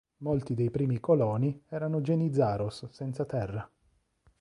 Molti dei primi coloni erano "genizaros" senza terra.